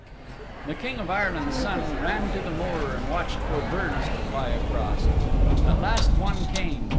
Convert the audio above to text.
The King of Ireland's Son ran to the moor and watched for birds to fly across. At last one came.